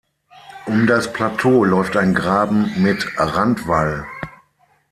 Um das Plateau läuft ein Graben mit Randwall.